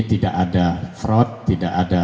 tidak ada fraud tidak ada